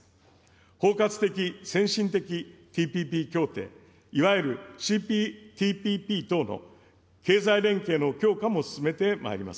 包括的・先進的ＴＰＰ協定、いわゆるＣＰＴＰＰ等の経済連携の強化も進めてまいります。